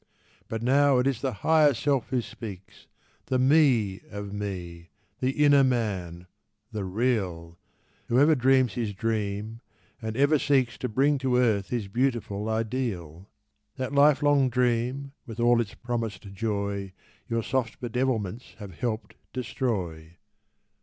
But now it is the Higher Self who speaks— The Me of me—the inner Man—the real— Whoever dreams his dream and ever seeks To bring to earth his beautiful ideal. That lifelong dream with all its promised joy Your soft bedevilments have helped destroy.